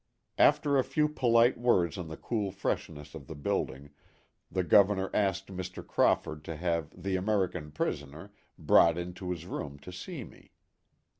After a few polite words on the cool freshness of the building, the Governor asked Mr. Craw ford to have " the American prisoner " brought into his room to see me.